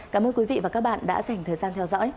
cảm ơn quý vị và các bạn đã dành thời gian theo dõi